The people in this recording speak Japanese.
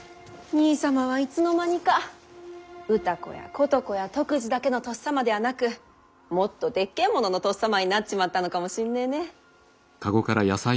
兄さまはいつの間にか歌子や琴子や篤二だけのとっさまではなくもっとでっけえもののとっさまになっちまったのかもしんねぇねぇ。